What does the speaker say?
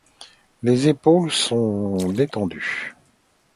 Les épaules sont détendues.